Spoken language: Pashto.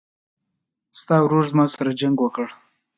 ستا ورور زما سره جنګ وکړ